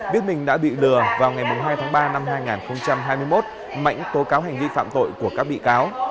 biết mình đã bị lừa vào ngày hai tháng ba năm hai nghìn hai mươi một mạnh tố cáo hành vi phạm tội của các bị cáo